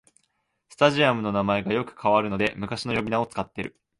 スタジアムの名前がよく変わるので昔の呼び名を使ってる